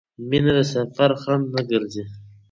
مینه د سفر خنډ نه ګرځي.